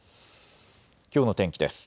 きょうの天気です。